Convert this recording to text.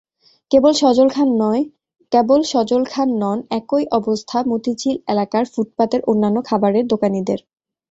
কেবল সজল খান নন, একই অবস্থা মতিঝিল এলাকায় ফুটপাতের অন্যান্য খাবারের দোকানিদের।